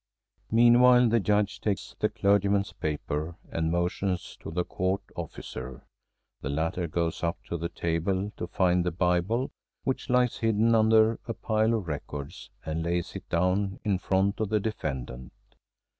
Meanwhile the Judge takes the clergyman's paper and motions to the court officer. The latter goes up to the table to find the Bible, which lies hidden under a pile of records, and lays it down in front of the defendant.